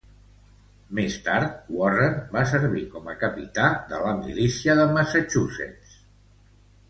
Més tard Warren va servir com a capità de la milícia de Massachusetts.